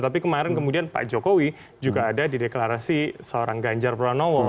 tapi kemarin kemudian pak jokowi juga ada di deklarasi seorang ganjar pranowo